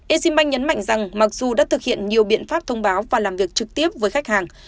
exim bank nhấn mạnh rằng mặc dù đã thực hiện nhiều biện pháp thông báo và làm việc trực tiếp với khách hàng